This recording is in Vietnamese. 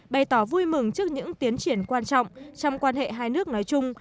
bày tỏ vui mừng trước những tiến triển quan trọng trong quan hệ hai nước nói chung